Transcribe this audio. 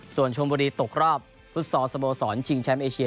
ส่วนชมบุรีตกรอบพุทธศาสตร์สโมสรชิงแชมป์เอเชีย